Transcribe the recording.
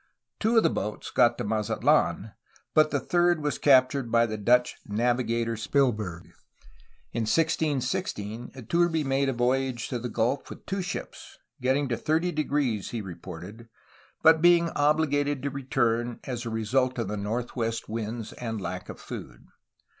Two of the boats got to Mazatlan, but the third was captured by the Dutch navigator Spilberg. In 1616 Iturbe made a voyage to the gulf with two ships, getting to 30°, he reported, but being obliged to return as a result of the northwest winds and lack of food.